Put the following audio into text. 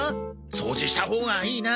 掃除したほうがいいな。